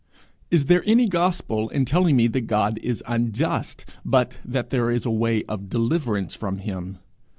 Is there any gospel in telling me that God is unjust, but that there is a way of deliverance from him?